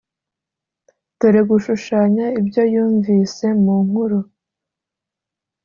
dore gushushanya ibyo yumvise mu nkuru